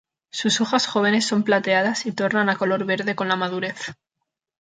Sus hojas jóvenes son plateadas y tornan a color verde con la madurez.